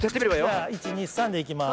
じゃあ１２３でいきます。